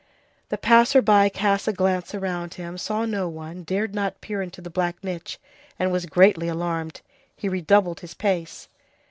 The passer by cast a glance around him, saw no one, dared not peer into the black niche, and was greatly alarmed. He redoubled his pace.